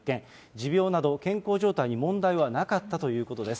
持病など、健康状態に問題はなかったということです。